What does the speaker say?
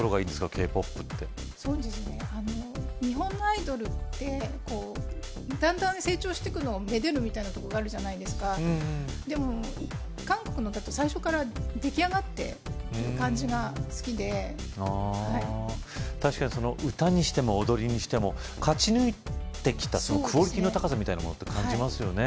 Ｋ−ＰＯＰって日本のアイドルってだんだん成長してくのをめでるみたいなとこがあるじゃないですかでも韓国のだと最初からできあがってる感じが好きで確かに歌にしても踊りにしても勝ち抜いてきたクオリティーの高さみたいなものって感じますよね